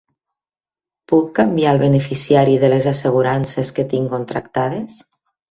Puc canviar el beneficiari de les assegurances que tinc contractades?